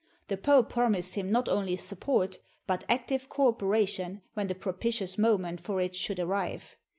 The pope promised him not only support, but active cooperation when the propitious moment for it should arrive.